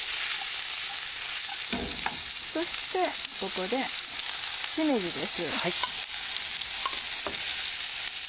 そしてここでしめじです。